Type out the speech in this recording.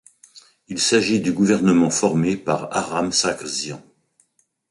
Il s'agit du gouvernement formé par Aram Sargsian.